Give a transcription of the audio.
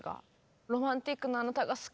「ロマンチックなあなたが好きよ。